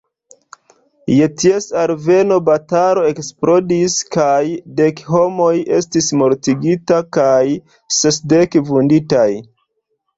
Je ties alveno batalo eksplodis kaj dek homoj estis mortigitaj kaj sesdek vunditaj.